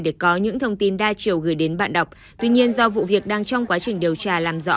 để có những thông tin đa chiều gửi đến bạn đọc tuy nhiên do vụ việc đang trong quá trình điều tra làm rõ